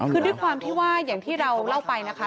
คือด้วยความที่ว่าอย่างที่เราเล่าไปนะคะ